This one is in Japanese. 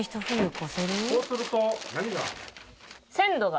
こうすると何が？